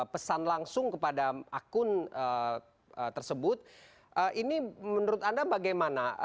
pesan langsung kepada akun tersebut ini menurut anda bagaimana